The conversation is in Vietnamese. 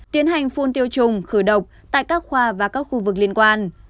tiến hành phun tiêu trùng khử độc tại các khoa và các khu vực liên quan